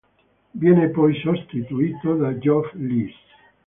Viene poi sostituito da Geoff Lees.